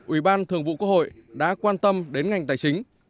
ủy ban thường vụ quốc hội đã quan tâm đến ngành tài chính